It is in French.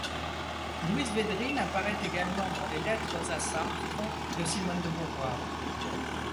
Louise Védrine apparaît également dans les Lettres à Sartre, de Simone de Beauvoir.